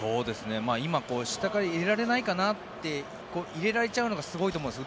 今下から入れられないかなって入れられるのがすごいと思うんです。